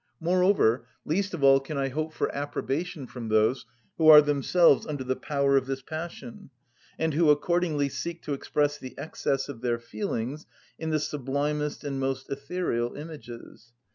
Moreover, least of all can I hope for approbation from those who are themselves under the power of this passion, and who accordingly seek to express the excess of their feelings in the sublimest and most ethereal images.